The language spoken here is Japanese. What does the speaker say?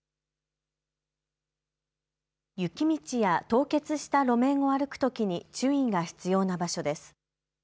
雪道や凍結した路面を歩くときに注意が必要な場所です。